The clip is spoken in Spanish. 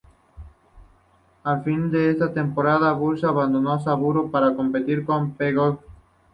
Al final de esta temporada Burns abandonó Subaru para competir con Peugeot.